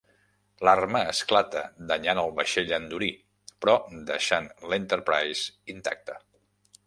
L'arma esclata, danyant el vaixell andorí, però deixant "l'Enterprise" intacte.